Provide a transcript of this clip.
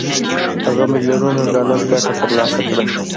هغه میلیونونه ډالر ګټه تر لاسه کړه